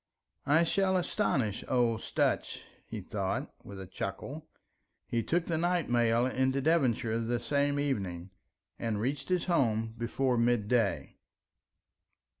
"I shall astonish old Sutch," he thought, with a chuckle. He took the night mail into Devonshire the same evening, and reached his home before midday.